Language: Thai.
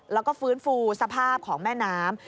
แล้วก็ฟื้นฟูสภาพของแม่น้ำ